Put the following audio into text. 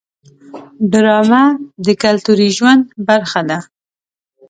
ډرامه د کلتوري ژوند برخه ده